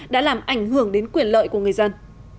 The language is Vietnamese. đã làm ảnh hưởng đến quyền lợi của người dân